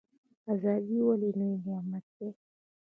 ازادي ولې لوی نعمت دی؟